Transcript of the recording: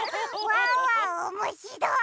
ワンワンおもしろい！